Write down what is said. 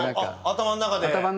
頭の中で？